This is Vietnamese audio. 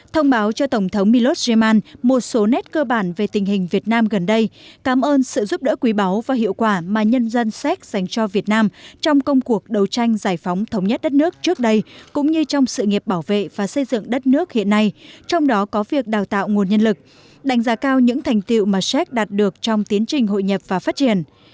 thông báo cho tổng thống milot zeman một số nét cơ bản về tình hình việt nam gần đây cảm ơn sự giúp đỡ quý báu và hiệu quả mà nhân dân séc dành cho việt nam trong công cuộc đấu tranh giải phóng thống nhất đất nước trước đây cũng như trong sự nghiệp bảo vệ và xây dựng đất nước hiện nay trong đó có việc đào tạo nguồn nhân lực đánh giá cao những thành tiệu mà séc đạt được trong tiến trình hội nhập và phát triển